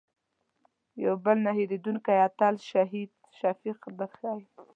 یو بل نه هېرېدونکی اتل شهید شفیق در ښیم.